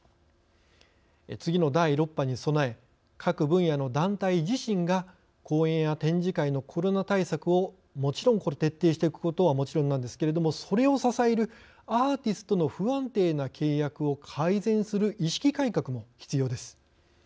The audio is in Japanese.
次の第６波に備え各分野の団体自身が公演や展示会のコロナ対策をもちろん徹底していくことももちろんなのですがそれを支えるアーティストの不安定な契約を改善する意識改革も必要です。